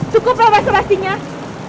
cukup lah bas sebastian